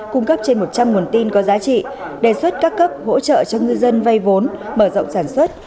cung cấp trên một trăm linh nguồn tin có giá trị đề xuất các cấp hỗ trợ cho ngư dân vay vốn mở rộng sản xuất